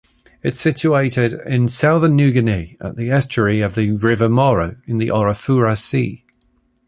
It is situated in southern New Guinea at the estuary of the River Maro in the Arafura Sea.